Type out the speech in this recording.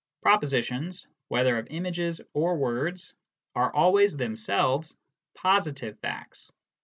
Propositions, whether of images or words, are always themselves positive facts.